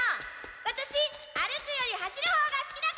ワタシ歩くより走るほうが好きだから！